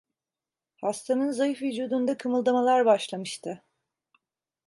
Hastanın zayıf vücudunda kımıldamalar başlamıştı.